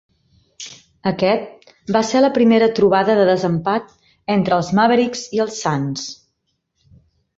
Aquest va ser la primera trobada de desempat entre els Mavericks i els Suns.